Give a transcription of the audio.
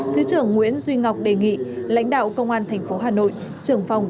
thứ trưởng nguyễn duy ngọc đề nghị lãnh đạo công an tp hà nội trưởng phòng